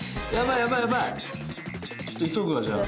ちょっと急ぐわじゃあ。